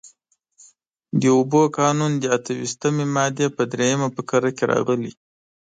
د اوبو قانون د اته ویشتمې مادې په درېیمه فقره کې راغلي.